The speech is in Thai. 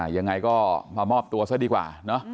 ยังไงก็มามอบตัวซะดีกว่าเนอะ